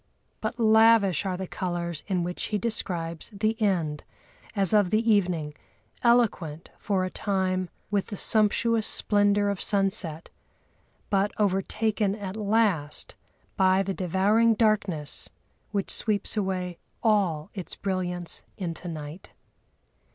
But lavish are the colours in which he describes the end, as of the evening, eloquent for a time with the sumptuous splendour of sunset, but overtaken at last by the devouring darkness which sweeps away all its brilliance into night.